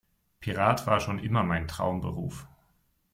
Pirat war schon immer mein Traumberuf.